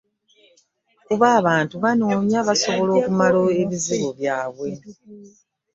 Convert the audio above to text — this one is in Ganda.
Kuba abantu banoonya basobola kumala bizibu byabwe